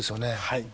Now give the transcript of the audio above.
はい。